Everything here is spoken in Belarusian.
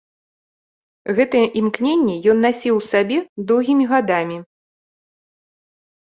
Гэтае імкненне ён насіў у сабе доўгімі гадамі.